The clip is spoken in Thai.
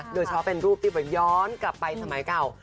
โดยเฉพาะเป็นรูปที่เหมือนย้อนกลับไปสมัยเก่า